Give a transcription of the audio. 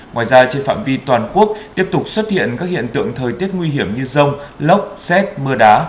ngoài ra trên phạm vi toàn quốc tiếp tục xuất hiện các hiện tượng thời tiết nguy hiểm như rông lốc xét mưa đá